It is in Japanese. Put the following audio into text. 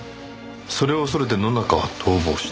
それを恐れて野中は逃亡した。